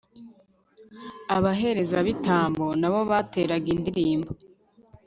abaherezabitambo na bo bateraga indirimbo